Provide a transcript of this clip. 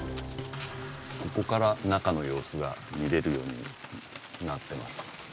ここから中の様子が見れるようになってます。